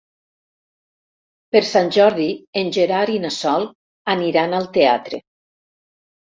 Per Sant Jordi en Gerard i na Sol aniran al teatre.